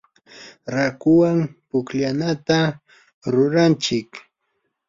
raakuwan pukllanata ruranchik.